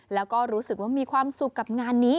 แล้วก็รู้สึกว่ามีความสุขกับงานนี้